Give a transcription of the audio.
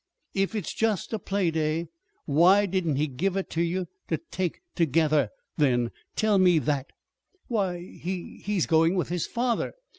"If it's just a playday, why didn't he give it to you ter take it tergether, then? Tell me that!" "Why, he he's going with his father."